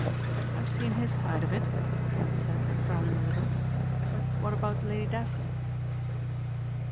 "I've seen his side of it," Trent said frowning a little, "but what about Lady Daphne?"